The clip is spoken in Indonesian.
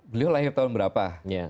beliau lahir tahun berapa